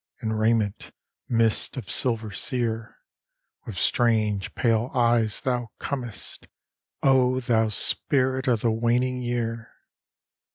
In raiment mists of silver sear, With strange, pale eyes thou comest, O Thou Spirit of the Waning Year!